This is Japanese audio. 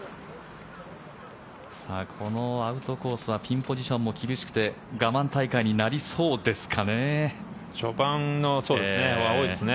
このアウトコースはピンポジションも厳しくて我慢大会になりそうですかね。